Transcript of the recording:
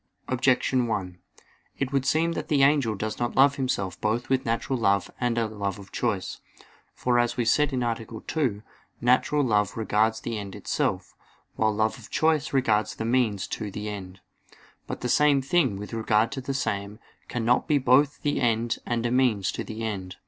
Objection 1: It would seem that the angel does not love himself both with natural love and a love of choice. For, as was said (A. 2), natural love regards the end itself; while love of choice regards the means to the end. But the same thing, with regard to the same, cannot be both the end and a means to the end.